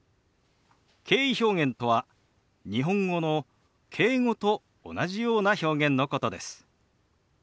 敬意表現とは日本語の「敬語」と同じような表現のことです。